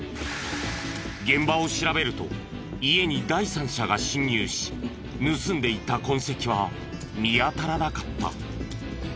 現場を調べると家に第三者が侵入し盗んでいった痕跡は見当たらなかった。